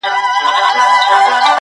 د څلورو مخلوقاتو گډ آواز دی,